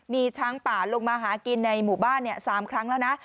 มีช้างป่าลงมาหากินในหมู่บ้าน๓ครั้งแล้วนะ